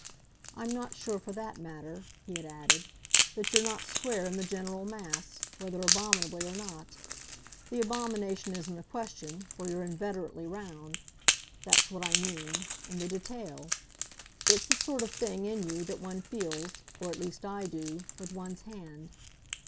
I'm not sure, for that matter," he had added, "that you're not square in the general mass whether abominably or not. The abomination isn't a question, for you're inveterately round that's what I mean in the detail. It's the sort of thing, in you, that one feels or at least I do with one's hand.